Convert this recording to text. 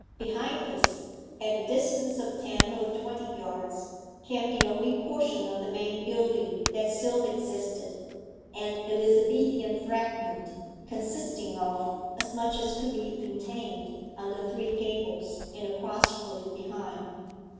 Behind this, at a distance of ten or twenty yards, came the only portion of the main building that still existed an Elizabethan fragment, consisting of as much as could be contained under three gables and a cross roof behind.